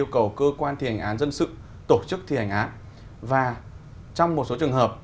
cầu cơ quan thi hành án dân sự tổ chức thi hành án và trong một số trường hợp